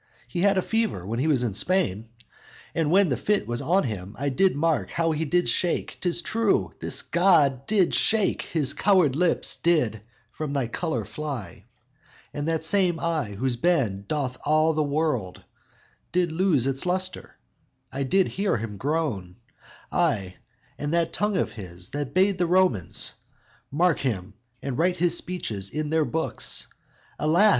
He had a fever, when he was in Spain, And when the fit was on him, I did mark How he did shake; 'tis true, this god did shake, His coward lips did from their color fly; And that same eye, whose bend doth awe the world Did lose his lustre; I did hear him groan; Ay, and that tongue of his, that bade the Romans Mark him, and write his speeches in their books; Alas!